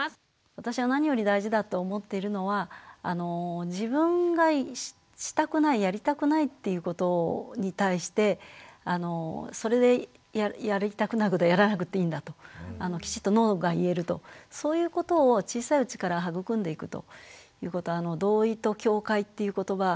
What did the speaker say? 私は何より大事だと思っているのは自分がしたくないやりたくないっていうことに対してそれでやりたくないことはやらなくていいんだときちっとノーが言えるとそういうことを小さいうちから育んでいくということは同意と境界っていう言葉